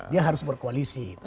dia harus berkoalisi